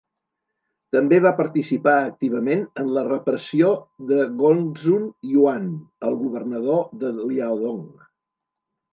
També va participar activament en la repressió de Gongsun Yuan, el governador de Liaodong.